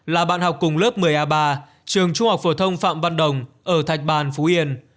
là bạn học cùng lớp một mươi a ba trường trung học phổ thông phạm văn đồng ở thạch bàn phú yên